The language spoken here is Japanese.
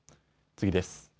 次です。